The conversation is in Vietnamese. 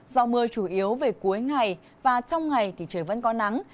do mưa chủ yếu về cuối ngày và trong ngày thì trời vẫn có nắng